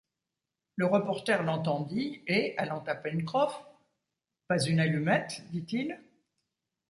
Le reporter l’entendit, et, allant à Pencroff :« Pas une allumette ? dit-il